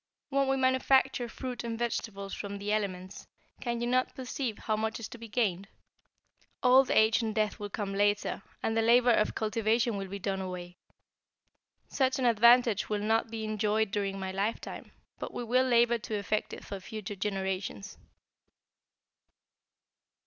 "When we manufacture fruit and vegetables from the elements, can you not perceive how much is to be gained? Old age and death will come later, and the labor of cultivation will be done away. Such an advantage will not be enjoyed during my lifetime. But we will labor to effect it for future generations."